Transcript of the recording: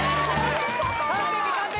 ・完璧完璧！